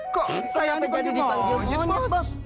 kok saya yang jadi dipanggil monyet bos